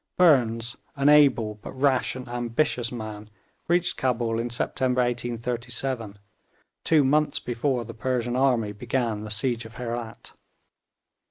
Burnes, an able but rash and ambitious man, reached Cabul in September 1837, two months before the Persian army began the siege of Herat.